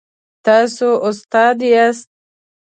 تاسو استاد یاست؟